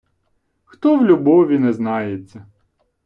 Хто в любові не знається